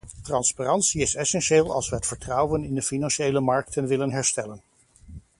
Transparantie is essentieel als we het vertrouwen in de financiële markten willen herstellen.